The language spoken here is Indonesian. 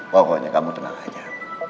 pokoknya kamu tenang aja